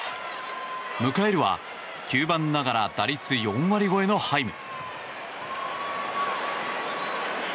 迎えるは９番ながら打率４割超えのハイム。